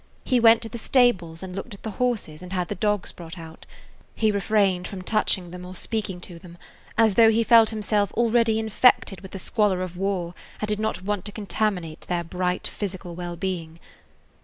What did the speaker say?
He went to the stables and looked at the horses and had the dogs brought out; he refrained from touching them or speaking to them, as though he felt himself already infected with the squalor of war and did not want to contaminate their bright physical well being.